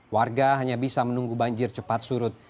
warga hanya bisa menunggu banjir cepat surut